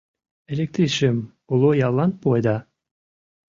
Электрисшым уло яллан пуэда?